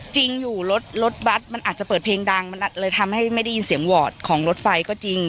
จริงอยู่รถรถบัตรมันอาจจะเปิดเพลงดังมันเลยทำให้ไม่ได้ยินเสียงวอร์ดของรถไฟก็จริง